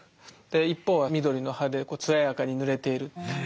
一方は緑の葉で艶やかに濡れている。